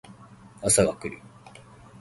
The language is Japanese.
朝が来る